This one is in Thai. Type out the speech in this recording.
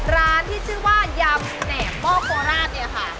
ร้านที่ชื่อว่ายำแหนบหม้อโคราชเนี่ยค่ะ